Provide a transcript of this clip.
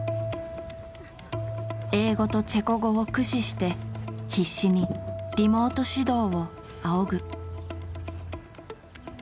英語とチェコ語を駆使して必死にリモート指導を仰ぐ。